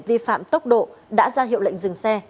vi phạm tốc độ đã ra hiệu lệnh dừng xe